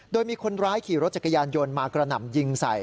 โดยมีคนร้ายขี่รถจักรยานยนต์มากระหน่ำยิงใส่